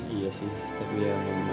iya sih tapi ya mama mau lagi ma